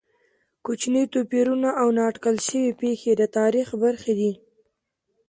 کوچني توپیرونه او نا اټکل شوې پېښې د تاریخ برخې دي.